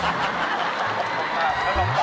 จะเป็นเรื่องที่กว่า